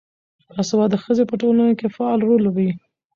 باسواده ښځې په ټولنه کې فعال رول لوبوي.